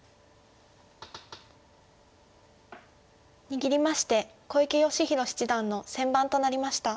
握りまして小池芳弘七段の先番となりました。